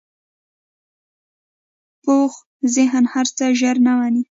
پوخ ذهن هر څه ژر نه منې